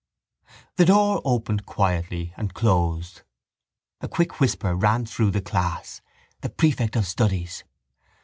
The door opened quietly and closed. A quick whisper ran through the class: the prefect of studies.